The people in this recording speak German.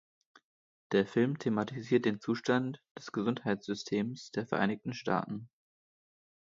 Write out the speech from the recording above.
Der Film thematisiert den Zustand des Gesundheitssystems der Vereinigten Staaten.